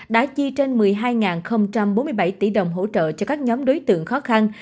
đã chi trên một mươi hai bốn mươi bảy tỷ đồng hỗ trợ cho các nhóm đối tượng khó khăn